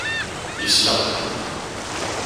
Yesla.